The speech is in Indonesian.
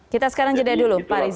kita sekarang jeda dulu pak aris